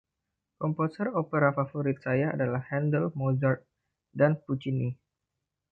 Komposer opera favorit saya adalah Handel, Mozart, dan Puccini